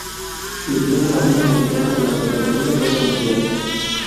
Sirvió en la marina americana durante la Segunda Guerra Mundial.